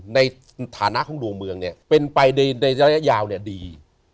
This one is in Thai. ในฐานะของดวงเมืองเนี่ยเป็นไปในระยะยาวเนี่ยดี